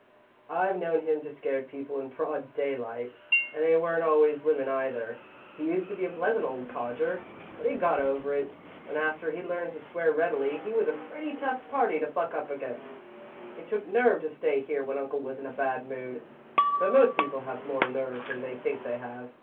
"I've known him to scare people in broad daylight, and they weren't always women either. He used to be a pleasant old codger, but he got over it, and after he learned to swear readily, he was a pretty tough party to buck up against. It took nerve to stay here when uncle was in a bad mood, but most people have more nerve than they think they have.